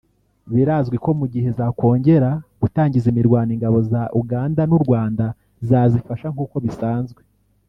Birazwi ko mu gihe zakongera gutangiza imirwano ingabo za Uganda n’u Rwanda zazifasha nk’uko bisanzwe